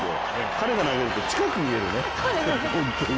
彼が投げると近くに見えるね、本当に。